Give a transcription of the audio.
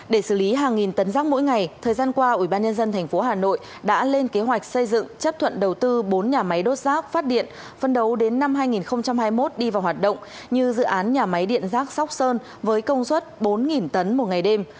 để xử lý hàng nghìn tấn rác mỗi ngày thời gian qua ubnd tp hà nội đã lên kế hoạch xây dựng chấp thuận đầu tư bốn nhà máy đốt rác phát điện phân đấu đến năm hai nghìn hai mươi một đi vào hoạt động như dự án nhà máy điện rác sóc sơn với công suất bốn tấn một ngày đêm